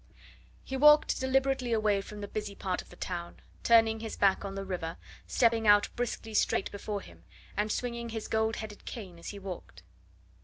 He walked deliberately away from the busy part of the town, turning his back on the river, stepping out briskly straight before him, and swinging his gold beaded cane as he walked.